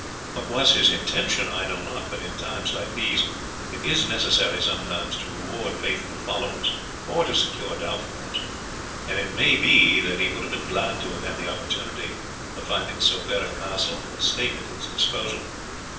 What was his intention I know not, but in times like these it is necessary sometimes to reward faithful followers or to secure doubtful ones, and it may be that he would have been glad to have had the opportunity of finding so fair a castle and estate at his disposal.